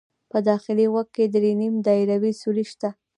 په داخلي غوږ کې درې نیم دایروي سوري شته.